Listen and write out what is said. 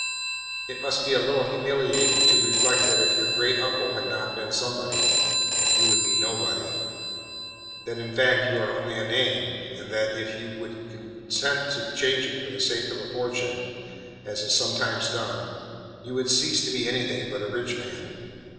It must be a little humiliating to reflect that if your great uncle had not been somebody, you would be nobody that, in fact, you are only a name, and that, if you should consent to change it for the sake of a fortune, as is sometimes done, you would cease to be anything but a rich man.